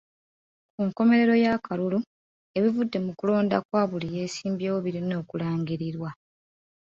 Ku nkomerero y'akalulu ebivudde mu kulonda kwa buli yeesimbyewo birina okulangirirwa.